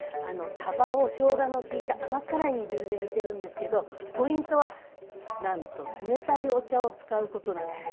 さばをしょうがの利いた甘辛い煮汁で煮てるんですけどポイントはなんと冷たいお茶を使うことなんです。